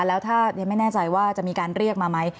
แล้วถ้ายังไม่แน่ใจว่าจะมีการเรียกมาไหม